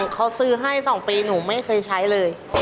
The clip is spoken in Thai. เขาซื้อให้๒ปีหนูไม่เคยใช้เลย